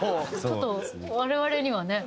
ちょっと我々にはね。